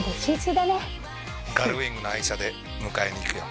ガルウィングの愛車で迎えに行くよ。